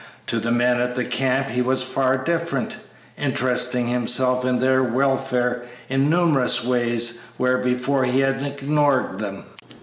To the men at the camp he was far different, interesting himself in their welfare in numerous ways where before he had ignored them.